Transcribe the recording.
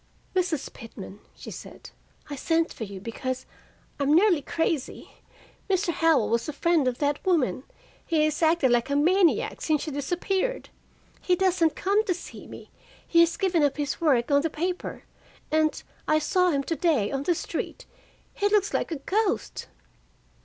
"Mrs. Pitman," she said, "I sent for you because I'm nearly crazy. Mr. Howell was a friend of that woman. He has acted like a maniac since she disappeared. He doesn't come to see me, he has given up his work on the paper, and I saw him to day on the street he looks like a ghost."